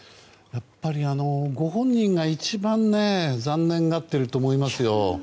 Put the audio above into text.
ご本人が一番、残念がっていると思いますよ。